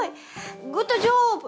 グッドジョブ！